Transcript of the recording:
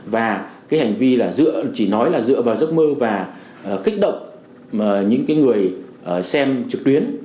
và cái hành vi là chỉ nói là dựa vào giấc mơ và kích động những cái người xem trực tuyến